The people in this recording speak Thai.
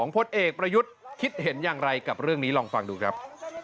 พลเอกประยุทธ์คิดเห็นอย่างไรกับเรื่องนี้ลองฟังดูครับ